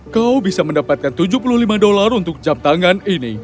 kau bisa mendapatkan tujuh puluh lima dolar untuk jam tangan ini